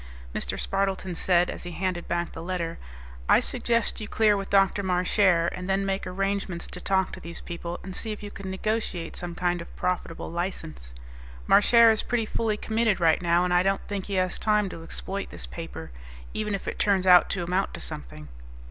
Mr. Spardleton said, as he handed back the letter, "I suggest you clear with Dr. Marchare, and then make arrangements to talk to these people and see if you can negotiate some kind of profitable license. Marchare is pretty fully committed right now, and I don't think he has time to exploit this paper, even if it turns out to amount to something."